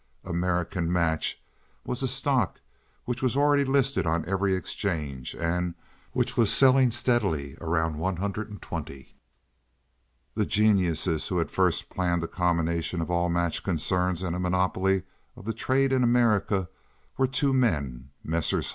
"American Match" was a stock which was already listed on every exchange and which was selling steadily around one hundred and twenty. The geniuses who had first planned a combination of all match concerns and a monopoly of the trade in America were two men, Messrs.